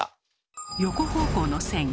横方向の線